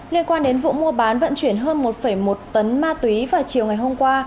liên quan đến vụ mua bán vận chuyển hơn một một tấn ma túy vào chiều ngày hôm qua